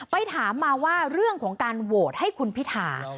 ไปถามมาว่าเรื่องของการโหวตให้คุณพิธา